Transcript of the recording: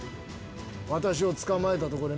私を捕まえたとこで